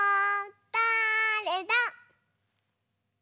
だれだ？